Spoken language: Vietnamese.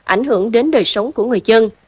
ảnh hưởng đến đời sống của người dân